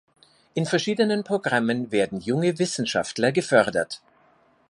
In verschiedenen Programmen werden junge Wissenschaftler gefördert.